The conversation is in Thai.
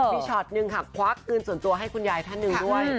มีช็อตนึงค่ะควักเงินส่วนตัวให้คุณยายท่านหนึ่งด้วย